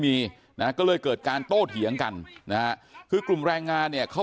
มีนะก็เลยเกิดการโต้เถียงกันนะฮะคือกลุ่มแรงงานเนี่ยเขา